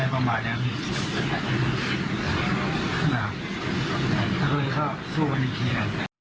อะไรประมาณเนี่ย